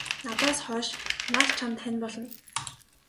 Надаас хойш нар чамд хань болно.